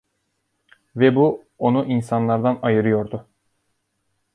Ve bu onu insanlardan ayırıyordu.